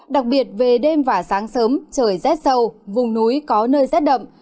đặc biệt về đêm và sáng sớm trời rét sâu vùng núi có nơi rét đậm